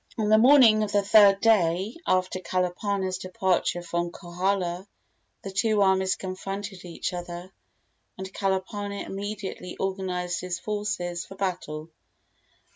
On the morning of the third day after Kalapana's departure from Kohala the two armies confronted each other, and Kalapana immediately organized his forces for battle.